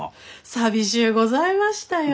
寂しゅうございましたよ。